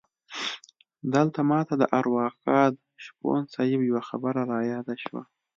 دلته ماته د ارواښاد شپون صیب یوه خبره رایاده شوه.